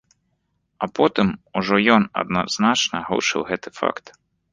А потым ужо ён адназначна агучыў гэты факт.